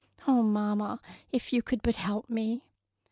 Oh, mamma, if you could but help me!